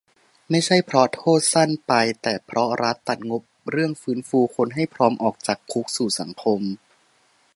ไม่ใช่เพราะโทษสั้นไป แต่เพราะรัฐตัดงบเรื่องฟื้นฟูคนให้พร้อมออกจากคุกสู่สังคม